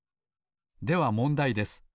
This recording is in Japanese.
ではもんだいです。